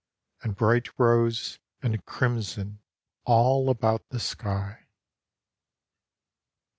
And bright rose and crimson all about the sky.